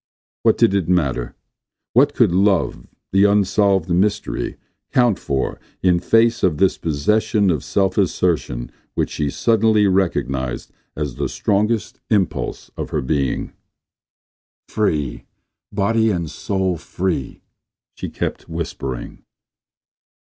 What did it matter! What could love, the unsolved mystery, count for in face of this possession of self assertion which she suddenly recognized as the strongest impulse of her being! "Free! Body and soul free!" she kept whispering.